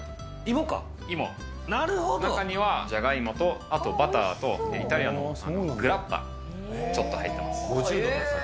中にはじゃがいもと、あとバターとイタリア産のグラッパ、ちょっと入ってます。